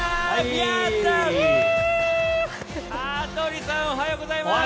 羽鳥さん、おはようございます。